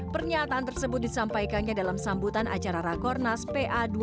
pernyataan tersebut disampaikannya dalam sambutan acara rakornas pa dua ratus dua belas di aula sarbini